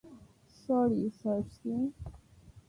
Sorry, সার্সি।